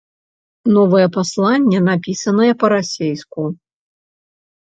Новае пасланне напісанае па-расейску.